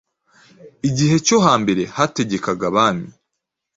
Igihe cyo hambere hategekaga abami.